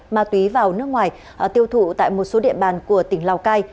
ma túy vào nước ngoài tiêu thụ tại một số địa bàn của tỉnh lào cai